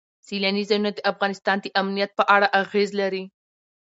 سیلاني ځایونه د افغانستان د امنیت په اړه اغېز لري.